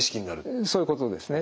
そういうことですね。